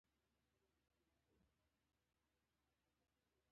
د راین سیند په اروپا په صنعتي سیمو کې زیات ارزښت لري.